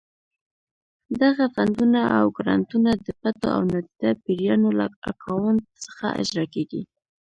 دغه فنډونه او ګرانټونه د پټو او نادیده پیریانو له اکاونټ څخه اجرا کېږي.